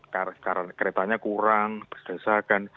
karena keretanya kurang bergesa kan